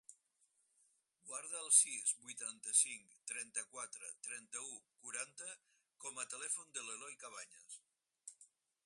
Guarda el sis, vuitanta-cinc, trenta-quatre, trenta-u, quaranta com a telèfon de l'Eloi Cabañas.